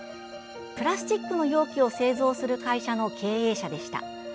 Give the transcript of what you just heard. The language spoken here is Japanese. プラスチックの容器を製造する会社の経営者でした。